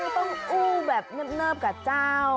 ต้องอู้แบบเนิบกับเจ้า